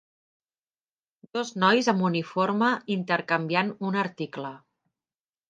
Dos nois amb uniforme intercanviant un article.